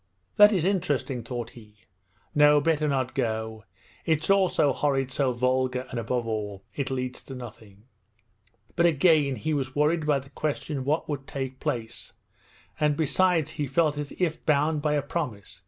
That is interesting,' thought he. 'No, better not go. It's all so horrid, so vulgar, and above all it leads to nothing!' But again he was worried by the question of what would take place; and besides he felt as if bound by a promise.